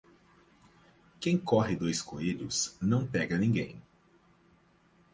Quem corre dois coelhos não pega ninguém.